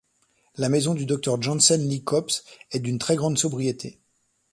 La Maison du docteur Janssens-Lycops est d'une très grande sobriété.